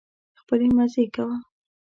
خپلې مزې کوه.